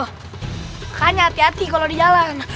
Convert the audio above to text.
hanya hati hati kalau di jalan